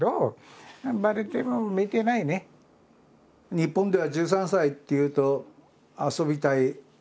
日本では１３歳っていうと遊びたい盛りですよね。